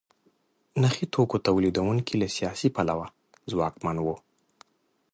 نخي توکو تولیدوونکي له سیاسي پلوه ځواکمن وو.